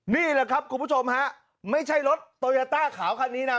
นี่แหละครับคุณผู้ชมฮะไม่ใช่รถโตยาต้าขาวคันนี้นะ